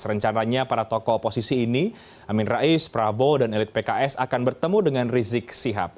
rencananya para tokoh oposisi ini amin rais prabowo dan elit pks akan bertemu dengan rizik sihab